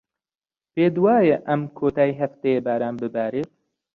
پێت وایە ئەم کۆتاییی هەفتەیە باران ببارێت؟